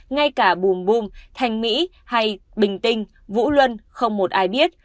ngay cả bùm bùm thanh mỹ hay bình tinh vũ luân không một ai biết